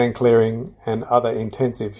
dan aktivitas manusia yang intensif lain